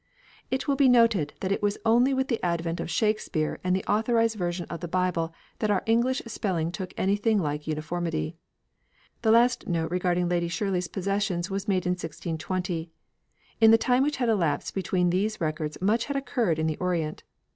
It will be noted that it was only with the advent of Shakespeare and the Authorised Version of the Bible that our English spelling took anything like uniformity. The last note regarding Lady Shirley's possessions was made in 1620. In the time which had elapsed between these records much had occurred in the Orient.